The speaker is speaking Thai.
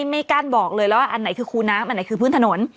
ไม่กล้าบอกเลยอันไหนคือคูน้ำอันไหนคือพื้นถนน